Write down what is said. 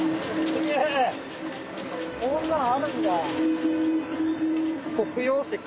こんなんあるんだ。